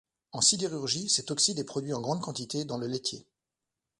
En sidérurgie, cet oxyde est produit en grande quantité dans le laitier.